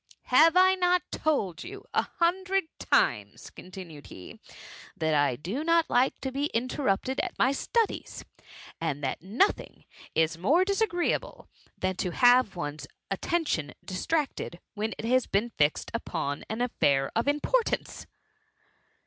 ^^ Have I not told you a hundred times,^^ continued he, ^^ that I do not like to be interrupted at my studies ! and that nothing is more disagreeable than to have one's attention distracted, when it has been fixed upon an affair of importance